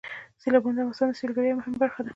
سیلابونه د افغانستان د سیلګرۍ یوه مهمه برخه ده.